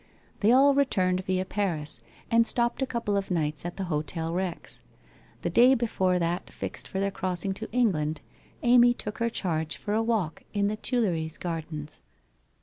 They all returned via Paris, and stopped a couple of nights at the Hotel Rex. The day before that fixed for their crossing to England, Amy took her charge for a walk in the Tuileries Gardens.